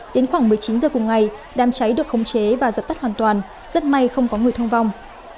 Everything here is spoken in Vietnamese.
đến khoảng một mươi chín giờ cùng ngày đám cháy được khống chế và dập tắt hoàn toàn rất may không có người thương vong